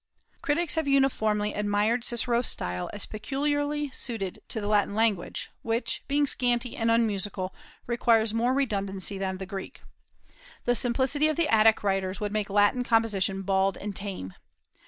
Critics have uniformly admired Cicero's style as peculiarly suited to the Latin language, which, being scanty and unmusical, requires more redundancy than the Greek. The simplicity of the Attic writers would make Latin composition bald and tame.